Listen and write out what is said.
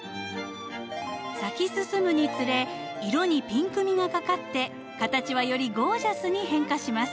咲き進むにつれ色にピンクみがかかって形はよりゴージャスに変化します。